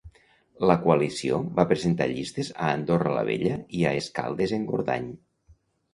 La coalició va presentar llistes a Andorra la Vella i a Escaldes-Engordany.